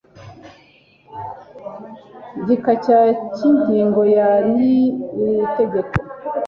gika cya cy ingingo ya y iri tegeko